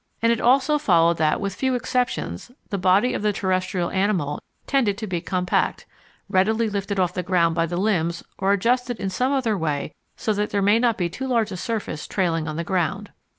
And it also followed that with few exceptions the body of the terrestrial animal tended to be compact, readily lifted off the ground by the limbs or adjusted in some other way so that there may not be too large a surface trailing on the ground.